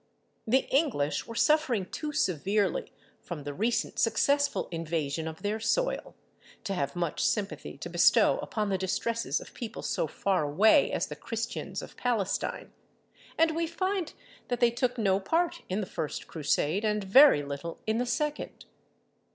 The English were suffering too severely from the recent successful invasion of their soil, to have much sympathy to bestow upon the distresses of people so far away as the Christians of Palestine; and we find that they took no part in the first Crusade, and very little in the second.